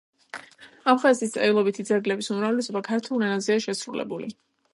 აფხაზეთის წერილობითი ძეგლების უმრავლესობა ქართულ ენაზეა შესრულებული.